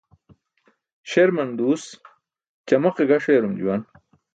Śerman duus ćamaqe gaṣ eerum juwan.